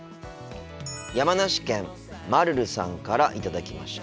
山梨県まるるさんから頂きました。